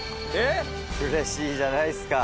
うれしいじゃないですか。